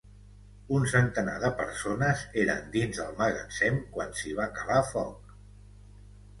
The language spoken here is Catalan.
Un centenar de persones eren dins el magatzem quan s’hi va calar foc.